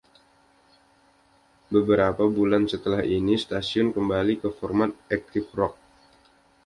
Beberapa bulan setelah ini, stasiun kembali ke format Active Rock.